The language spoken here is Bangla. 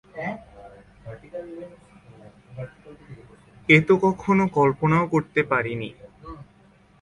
এ তো কখনো কল্পনাও করতে পারি নি।